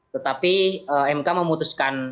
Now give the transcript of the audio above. tetapi mk memutuskan